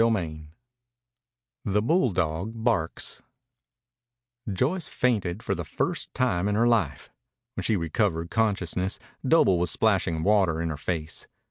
CHAPTER XLIV THE BULLDOG BARKS Joyce fainted for the first time in her life. When she recovered consciousness Doble was splashing water in her face.